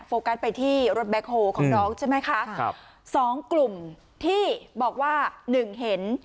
โฟกัสไปที่รถแบ็คโฮของน้องใช่ไหมคะครับสองกลุ่มที่บอกว่าหนึ่งเห็น